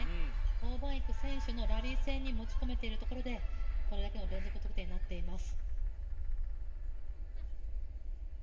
王曼イク選手のラリー戦に持ち込めているところでこれだけの連続得点になっています。